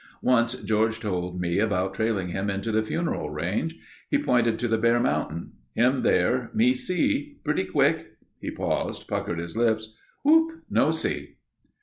Once George told me about trailing him into the Funeral Range. He pointed to the bare mountain. "Him there, me see. Pretty quick—" He paused, puckered his lips. "Whoop—no see."